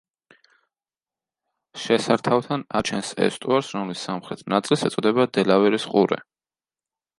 შესართავთან აჩენს ესტუარს, რომლის სამხრეთ ნაწილს ეწოდება დელავერის ყურე.